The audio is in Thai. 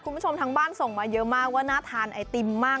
คุณผู้ชมทางบ้านส่งมาเยอะมากว่าน่าทานไอติมมาก